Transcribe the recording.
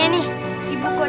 bila nanti kembali padaku